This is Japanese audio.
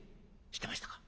知ってましたか？